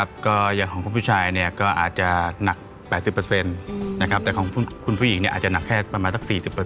ครับก็อย่างของคุณผู้ชายเนี่ยก็อาจจะหนัก๘๐นะครับแต่ของคุณผู้หญิงเนี่ยอาจจะหนักแค่ประมาณสัก๔๐อย่างแง่ครับ